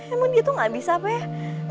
emang dia tuh gabisa apa ya